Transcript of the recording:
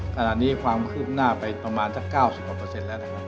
ขนาดนี้ความขึ้นหน้าไปประมาณจะ๙๐แล้วนะครับ